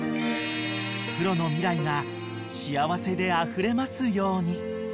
［クロの未来が幸せであふれますように］